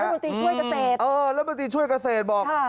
แล้วบุญติช่วยเกษตรอืมเออแล้วบุญติช่วยเกษตรบอก